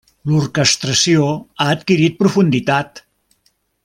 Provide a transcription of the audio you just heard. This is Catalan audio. L'orquestració ha adquirit profunditat.